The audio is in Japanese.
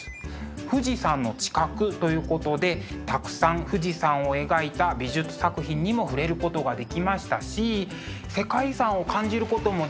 富士山の近くということでたくさん富士山を描いた美術作品にも触れることができましたし世界遺産を感じることもできたし。